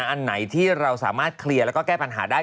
อันไหนที่เราสามารถเคลียร์แล้วก็แก้ปัญหาได้